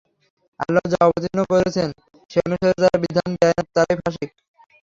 আল্লাহ্ যা অবতীর্ণ করেছেন সে অনুসারে যারা বিধান দেয় না তারাই ফাসিক।